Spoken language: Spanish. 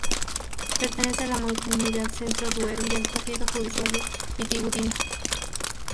Pertenece a la Mancomunidad Centro Duero y al partido judicial de Vitigudino.